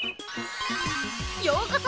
ようこそ！